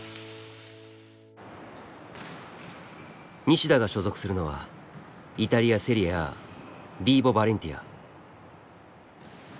西田が所属するのはイタリアセリエＡビーボ・バレンティア。